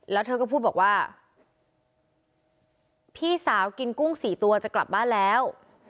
แล้วเธอก็พูดบอกว่าพี่สาวกินกุ้ง๔ตัวจะกลับบ้านแล้ว